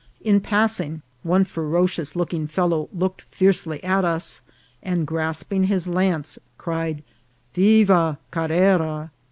In passing, one ferocious look ing fellow looked fiercely at us, and grasping his lance, cried "Viva Carrera."